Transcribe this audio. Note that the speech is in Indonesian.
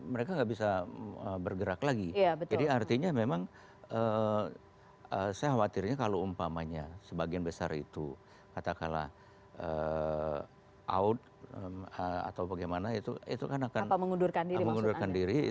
mereka nggak bisa bergerak lagi jadi artinya memang saya khawatirnya kalau umpamanya sebagian besar itu katakanlah out atau bagaimana itu kan akan mengundurkan diri